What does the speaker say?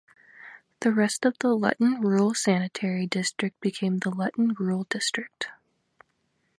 The rest of the Luton Rural Sanitary District became the Luton Rural District.